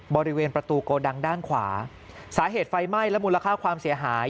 บริเวณประตูโกดังด้านขวาสาเหตุไฟไหม้และมูลค่าความเสียหาย